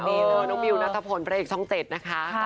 ดีจริงน้องมิวนัฐพนธ์ประเอกช่องเจ็ดนะคะ